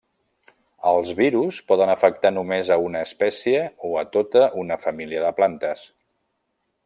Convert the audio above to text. Els virus poden afectar només a una espècie o a tota una família de plantes.